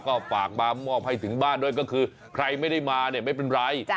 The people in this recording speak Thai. ก็ฝากมามอบให้ถึงบ้านด้วยก็คือใครไม่ได้มาเนี่ยไม่เป็นไร